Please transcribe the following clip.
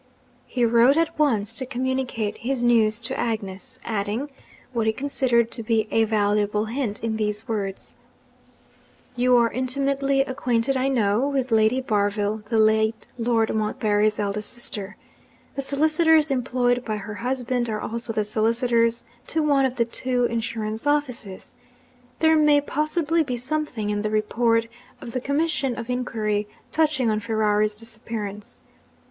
He wrote at once to communicate his news to Agnes; adding, what he considered to be a valuable hint, in these words: 'You are intimately acquainted, I know, with Lady Barville, the late Lord Montbarry's eldest sister. The solicitors employed by her husband are also the solicitors to one of the two insurance offices. There may possibly be something in the report of the commission of inquiry touching on Ferrari's disappearance.